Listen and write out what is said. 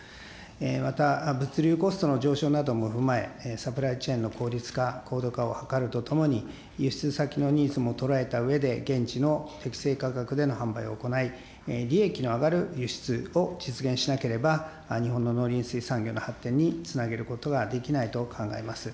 また、物流コストの上昇なども踏まえ、サプライチェーンの効率化、高度化を図るとともに、輸出先のニーズも捉えたうえで、現地の適正価格での販売を行い、利益の上がる輸出を実現しなければ、日本の農林水産業の発展につなげることができないと考えます。